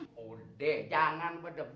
waduh lu yang dulu lu